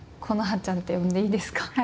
「好葉ちゃん」って呼んでいいですか？